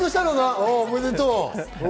おめでとう。